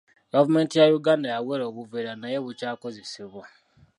Gavumenti ya Uganda yawera obuveera naye bukyakozesebwa.